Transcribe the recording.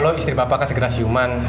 kalau istri bapak kesegera siuman